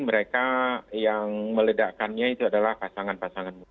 dan mereka yang meledakannya itu adalah pasangan pasangan